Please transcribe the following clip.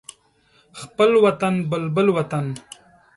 خپل وطن بلبل وطن